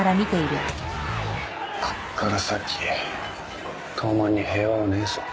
こっから先東卍に平和はねえぞ。